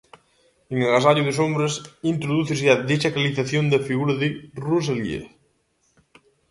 En "Agasallo de sombras" introdúcese a desacralización da figura de Rosalía.